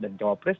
dan jawa pres